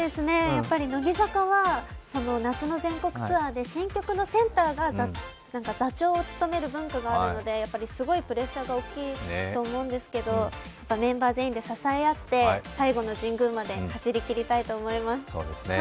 乃木坂は夏の全国ツアーで新曲のセンターが座長を務める文化があるので、すごいプレッシャーが大きいと思うんですけど、メンバー全員で支え合って、最後の神宮まで走りきりたいと思います。